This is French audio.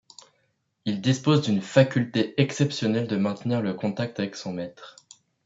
Il dispose d'une faculté exceptionnelle de maintenir le contact avec son maître.